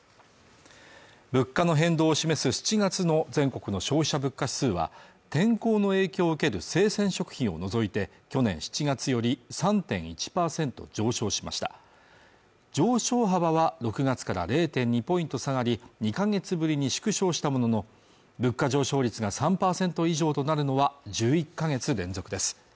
物価の変動を示す７月の全国の消費者物価指数は天候の影響を受ける生鮮食品を除いて去年７月より３．１％上昇しました上昇幅は６月から０．２ポイント下がり２か月ぶりに縮小したものの物価上昇率が３％以上となるのは１１か月連続です